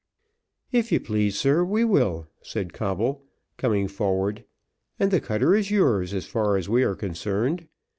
"If you please, sir, we will," said Coble, coming forward, "and the cutter is yours, as far as we are concerned.